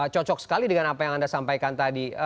cocok sekali dengan apa yang anda sampaikan tadi